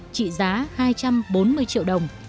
trị giá hai trăm bốn mươi triệu đồng